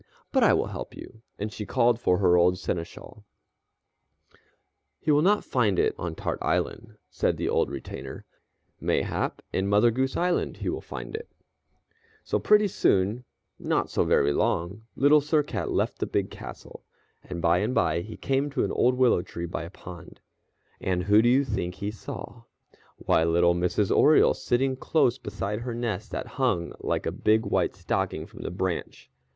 But I will help you," and she called for her old seneschal. "He will not find it on Tart Island," said the old retainer. "Mayhap in Mother Goose Island he will find it." [Illustration: LITTLE SIR CAT TAKES A FAREWELL LOOK AT THE CASTLE] So pretty soon, not so very long, Little Sir Cat left the big castle, and by and by he came to an old willow tree by a pond. And who do you think he saw? Why, little Mrs. Oriole sitting close beside her nest that hung like a big white stocking from the branch.